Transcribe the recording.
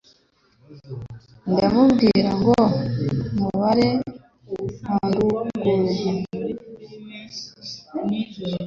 ndamubwira ngo mubare Wandukure